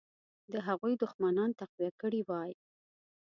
د هغوی دښمنان تقویه کړي وای.